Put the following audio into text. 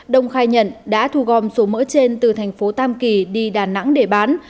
đông khai nhận đã thu gom số mỡ trên từ tp tam kỳ đi đà nẵng để bán